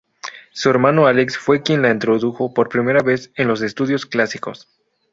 Su hermano Alex fue quien la introdujo por primera vez en los Estudios Clásicos.